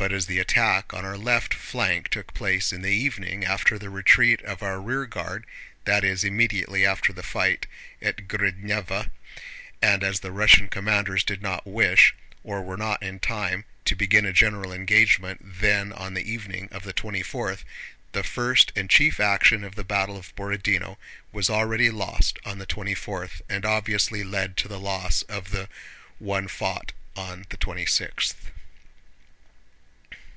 But as the attack on our left flank took place in the evening after the retreat of our rear guard (that is, immediately after the fight at Gridnëva), and as the Russian commanders did not wish, or were not in time, to begin a general engagement then on the evening of the twenty fourth, the first and chief action of the battle of Borodinó was already lost on the twenty fourth, and obviously led to the loss of the one fought on the twenty sixth.